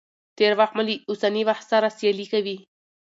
تېر وخت مو له اوسني وخت سره سيالي کوي.